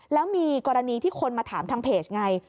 แล้วมีกรณีที่คนมาถามทางเพจไง